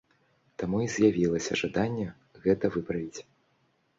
Таму і з'явілася жаданне гэта выправіць.